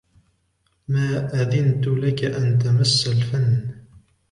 ما أذنت لك أن تمس الفن